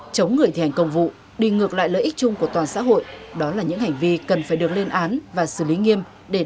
chống người thi hành công vụ đi ngược lại lợi ích chung của toàn xã hội đó là những hành vi cần phải được lên án và xử lý nghiêm